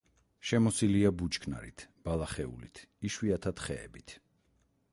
შემოსილია ბუჩქნარით, ბალახეულით, იშვიათად ხეებით.